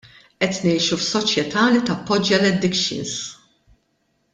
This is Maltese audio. Qed ngħixu f'soċjetà li tappoġġja l-addictions.